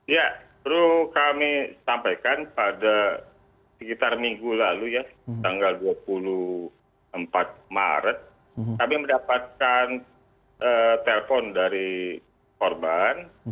ya perlu kami sampaikan pada sekitar minggu lalu ya tanggal dua puluh empat maret kami mendapatkan telpon dari korban